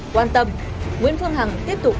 quan tâm nguyễn phương hằng tiếp tục